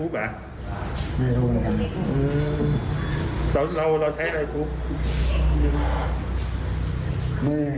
เมตรเดียว